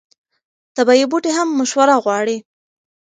طبیعي بوټي هم مشوره غواړي.